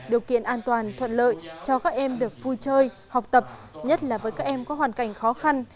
điều kiện an toàn thuận lợi cho các em được vui chơi học tập nhất là với các em có hoàn cảnh khó khăn